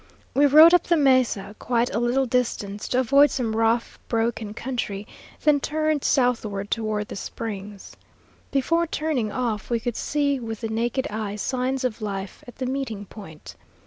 We rode up the mesa quite a little distance to avoid some rough broken country, then turned southward toward the Springs. Before turning off, we could see with the naked eye signs of life at the meeting point.